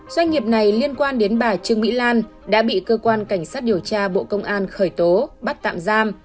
doanh nghiệp này liên quan đến bà trương mỹ lan đã bị cơ quan cảnh sát điều tra bộ công an khởi tố bắt tạm giam